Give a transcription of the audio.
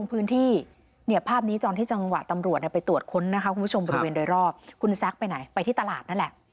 คุณผู้ชมบริเวณโดยรอบคุณแซ็คไปไหนไปที่ตลาดนั่นแหละ